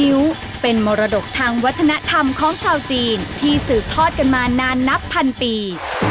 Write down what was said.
ิ้วเป็นมรดกทางวัฒนธรรมของชาวจีนที่สืบทอดกันมานานนับพันปี